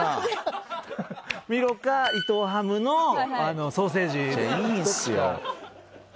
ミロか伊藤ハムのソーセージどっちか。